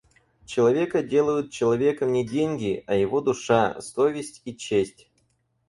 Человека делают человеком не деньги, а его душа, совесть и честь.